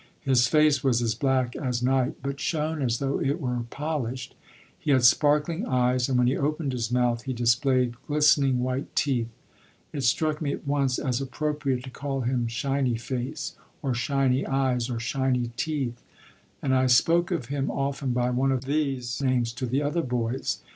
His face was as black as night, but shone as though it were polished; he had sparkling eyes, and when he opened his mouth, he displayed glistening white teeth. It struck me at once as appropriate to call him "Shiny Face," or "Shiny Eyes," or "Shiny Teeth," and I spoke of him often by one of these names to the other boys.